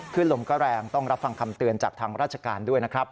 ขึ้นลมก็แรงต้องรับฟังคำเตือนจากทางราชการด้วยนะครับ